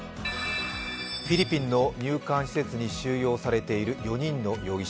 フィリピンの入管施設に収容されている４人の容疑者。